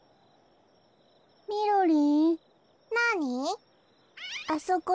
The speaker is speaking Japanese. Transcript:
みみろりん。